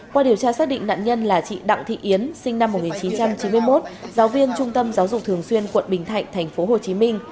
qua điều tra xác định nạn nhân là chị đặng thị yến sinh năm một nghìn chín trăm chín mươi một giáo viên trung tâm giáo dục thường xuyên quận bình thạnh tp hồ chí minh